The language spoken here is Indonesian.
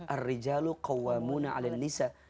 arrijalu kawamuna alendisa